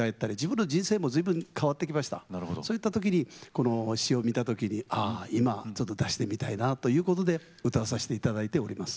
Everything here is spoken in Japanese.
そういった時にこの詞を見た時にああ今ちょっと出してみたいなということで歌わさして頂いております。